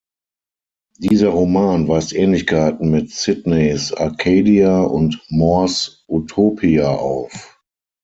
Dieser Roman weist Ähnlichkeiten mit Sidneys "Arcadia" und Mores "Utopia" auf.